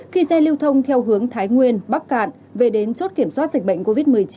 khi xe lưu thông theo hướng thái nguyên bắc cạn về đến chốt kiểm soát dịch bệnh covid một mươi chín